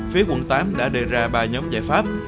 phía quận tám đã đề ra ba nhóm giải pháp